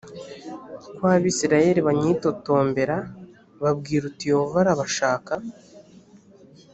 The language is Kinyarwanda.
kw abisirayeli banyitotombera babwire uti yehova arabashaka